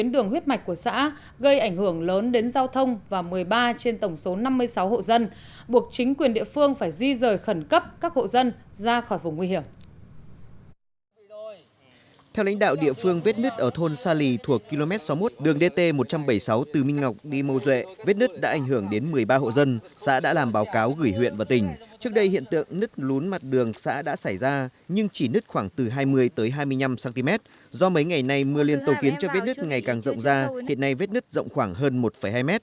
do mấy ngày này mưa liên tồn kiến cho vết nứt ngày càng rộng ra hiện nay vết nứt rộng khoảng hơn một hai mét